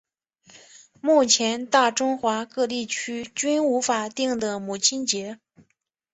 目前大中华各地区均无法定的母亲节。